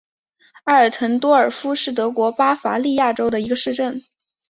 阿尔滕多尔夫是德国巴伐利亚州的一个市镇。